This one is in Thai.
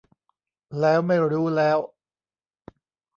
แล้วไม่รู้แล้ว